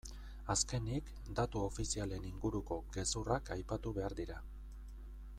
Azkenik, datu ofizialen inguruko gezurrak aipatu behar dira.